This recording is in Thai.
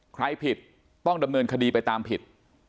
ใครผิดต้องดำเนินคดีไปตามผิด